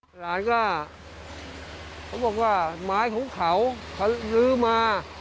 หลานก็เขาบอกว่าไม้ของเขาเขาซื้อมา